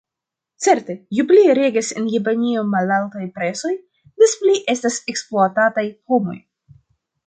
Certe: ju pli regas en Japanio malaltaj prezoj, des pli estas ekspluatataj homoj.